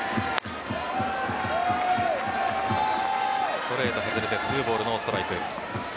ストレート外れて２ボールノーストライク。